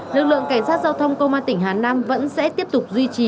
lực lượng cảnh sát giao thông công an tỉnh hà nam vẫn sẽ tiếp tục duy trì